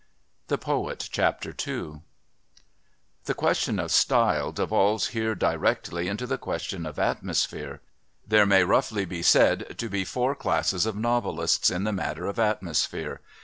II The question of style devolves here directly into the question of atmosphere. There may roughly be said to be four classes of novelists in the matter of atmosphere.